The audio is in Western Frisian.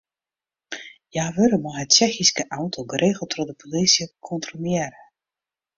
Hja wurde mei har Tsjechyske auto geregeld troch de plysje kontrolearre.